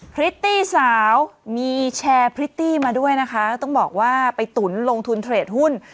พริตตี้สาวมีแชร์พริตตี้มาด้วยนะคะต้องบอกว่าไปตุ๋นลงทุนเทรดหุ้น